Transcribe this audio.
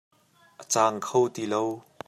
A cang kho ti lo.